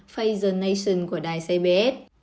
phaser nation của đài cbs